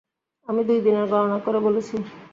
আমি দুই দিনের গণনা করে বলেছি।